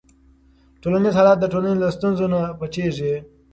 ټولنیز حالت د ټولنې له ستونزو نه پټيږي.